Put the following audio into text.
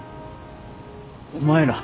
お前ら。